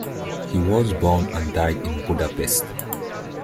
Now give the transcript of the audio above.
He was born and died in Budapest.